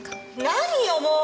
何よもう！